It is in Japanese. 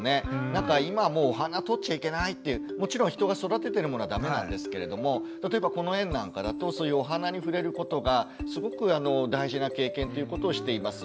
なんか今もうお花とっちゃいけないってもちろん人が育ててるものはダメなんですけれども例えばこの園なんかだとそういうお花に触れることがすごく大事な経験ということをしています。